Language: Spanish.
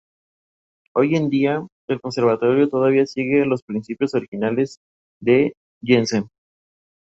Se encuentra en la Amazonia de Ecuador y norte de Perú.